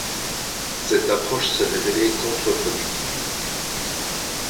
Cette approche s'est révélée contre-productive.